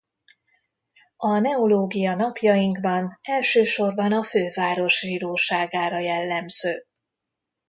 A neológia napjainkban elsősorban a főváros zsidóságára jellemző.